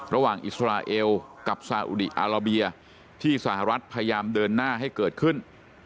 อิสราเอลกับซาอุดีอาราเบียที่สหรัฐพยายามเดินหน้าให้เกิดขึ้น